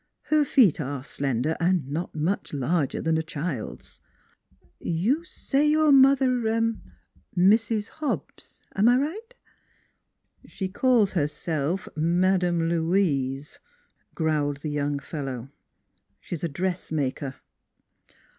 " Her feet are slender and not much larger than a child's. ... You say your mother er Mrs. Hobbs am I right?" " She calls herself Madam Louise," growled the young fellow; " she's a dressmaker."